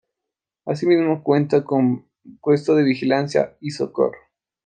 Así mismo cuenta con puesto de vigilancia y socorro.